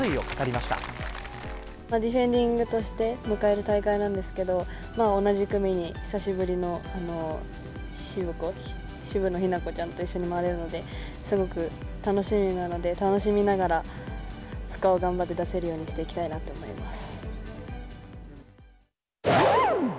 ディフェンディングとして迎える大会なんですけど、同じ組に、久しぶりのしぶこ、渋野日向子ちゃんと一緒に回れるので、すごく楽しみなので、楽しみながらスコアを頑張って出せるようにしていきたいなと思います。